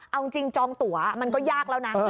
เอาจริงจองตัวมันก็ยากแล้วนะ